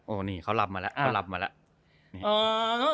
โอ้นี่เขารับมาแล้วเขารับมาแล้ว